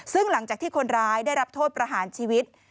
ซึ่งหลังจากที่คนร้ายได้รับโทษประหารชีวิต